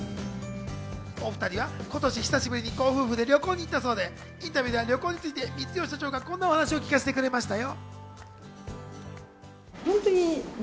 お２人は今年久しぶりにご夫婦で旅行に行ったそうで、インタビューでは旅行について光代社長がこんなお話を聞かせてくれましたよ。